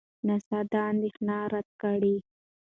ناسا دا اندېښنه رد کړه.